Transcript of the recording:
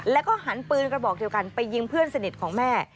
แล้วก็หันปืนกระบอกเดียวกันไปยิงเพื่อนสนิทของแม่